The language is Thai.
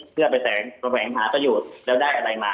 เพื่อไปแสวงหาประโยชน์แล้วได้อะไรมา